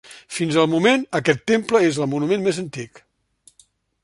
Fins al moment, aquest temple és el monument més antic.